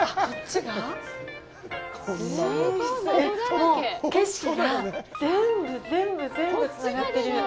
もう景色が、全部、全部、全部、つながってる！